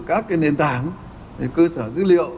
các cái nền tảng cơ sở dữ liệu